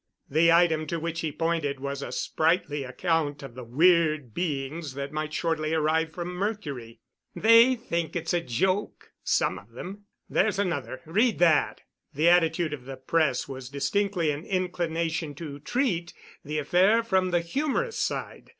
The item to which he pointed was a sprightly account of the weird beings that might shortly arrive from Mercury. "They think it's a joke some of them. There's another read that." The attitude of the press was distinctly an inclination to treat the affair from the humorous side.